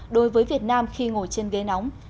đối với việt nam khi ngồi trên ghế nóng